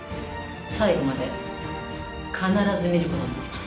最後まで必ず見ることになります。